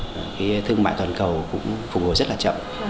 và cái thương mại toàn cầu cũng phục hồi rất là chậm